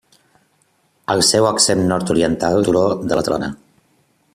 El seu extrem nord-oriental és el turó de la Trona.